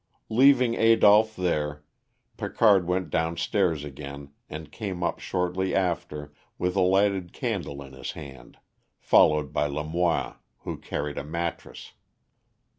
Leaving Adolph there, Picard went downstairs again and came up shortly after with a lighted candle in his hand, followed by Lamoine, who carried a mattress.